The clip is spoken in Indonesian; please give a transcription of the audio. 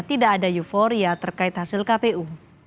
tidak ada euforia terkait hasil kpu